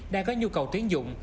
đã có nhu cầu tuyến dụng